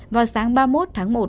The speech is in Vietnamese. vào sáng ba mươi một tháng một